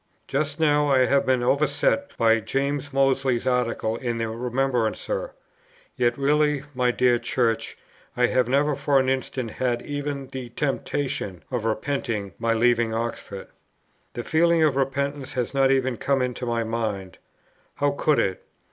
Just now I have been overset by James Mozley's article in the Remembrancer; yet really, my dear Church, I have never for an instant had even the temptation of repenting my leaving Oxford. The feeling of repentance has not even come into my mind. How could it?